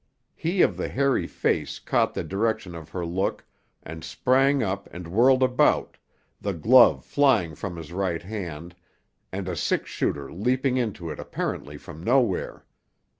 He of the hairy face caught the direction of her look and sprang up and whirled around, the glove flying from his right hand, and a six shooter leaping into it apparently from nowhere.